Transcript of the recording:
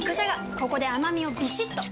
ここで甘みをビシッと！